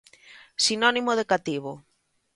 Sinónimo de cativo.